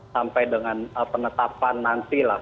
sampai dengan penetapan nanti